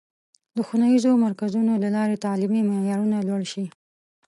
د ښوونیزو مرکزونو له لارې تعلیمي معیارونه لوړ شي.